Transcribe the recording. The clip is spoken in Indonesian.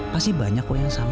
pasti banyak kok yang sama